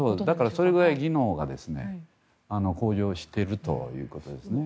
それぐらい技能が向上しているということですね。